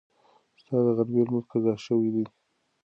ستا د غرمې لمونځ قضا شوی دی.